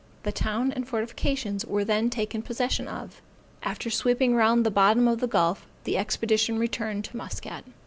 The town and fortifications were then taken possession of. After sweeping round the bottom of the gulf, the expedition returned to Muscat.